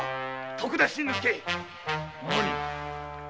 徳田新之助。